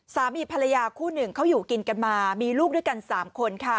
สามีภรรยาคู่หนึ่งเขาอยู่กินกันมามีลูกด้วยกัน๓คนค่ะ